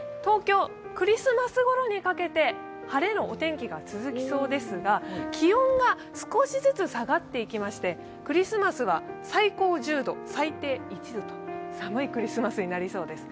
クリスマスごろにかけて晴れのお天気が続きそうですが気温が少しずつ下がっていきまして、クリスマスは最高１０度最低１度と寒いクリスマスになりそうです。